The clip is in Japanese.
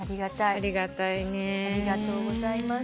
ありがとうございます。